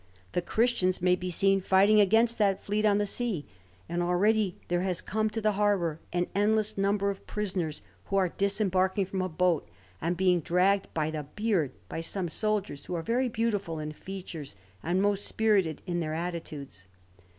The Christians may be seen fighting against that fleet on the sea; and already there has come to the harbour an endless number of prisoners, who are disembarking from a boat and being dragged by the beard by some soldiers, who are very beautiful in features and most spirited in their attitudes.